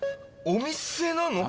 お店なの？